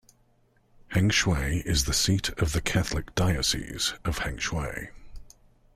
Hengshui is the seat of the Catholic Diocese of Hengshui.